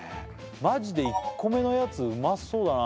マジで１個目のやつうまそうだな